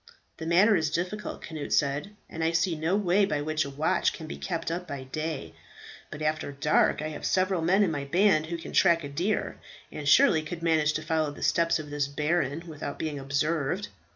"The matter is difficult," Cnut said, "and I see no way by which a watch can be kept up by day; but after dark I have several men in my band who can track a deer, and surely could manage to follow the steps of this baron without being observed.